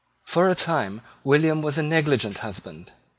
For a time William was a negligent husband.